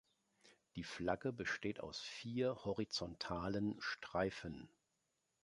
Die Flagge besteht aus vier horizontalen Streifen.